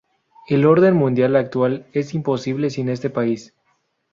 El orden mundial actual es imposible sin este país.